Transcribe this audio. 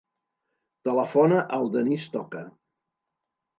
Telefona al Denís Toca.